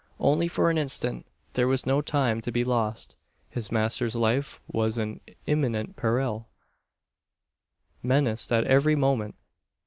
Only for an instant. There was no time to be lost. His master's life was in imminent peril, menaced at every moment.